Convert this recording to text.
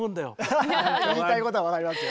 ハハハ言いたいことは分かりますよ。